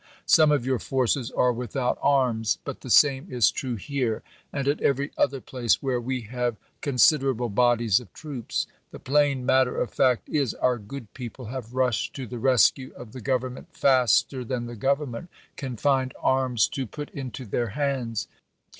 Some of your forces are without arms, but the same is true here, and at every other place where we have con siderable bodies of troops. The plain matter of fact is, our good people have rushed to the rescue of the Govern ment faster than the Government can find arms to put GKANT AND THOMAS IN KENTUCKY 115 into their hands.